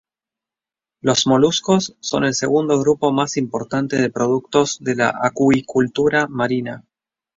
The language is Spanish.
Los moluscos son el segundo grupo más importante de productos de la acuicultura marina.